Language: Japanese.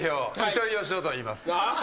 糸井嘉男といいます。